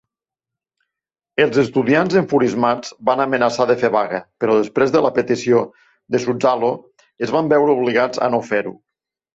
Els estudiants enfurismats van amenaçar de fer vaga, però després de la petició de Suzzalo es van veure obligats a no fer-ho.